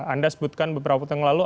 anda sebutkan beberapa tahun lalu